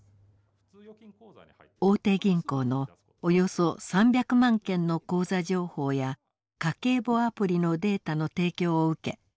大手銀行のおよそ３００万件の口座情報や家計簿アプリのデータの提供を受け